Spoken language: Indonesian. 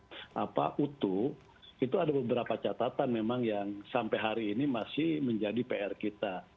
secara utuh itu ada beberapa catatan memang yang sampai hari ini masih menjadi pr kita